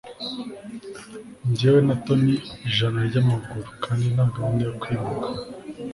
njyewe na toni ijana yamaguru kandi nta gahunda yo kwimuka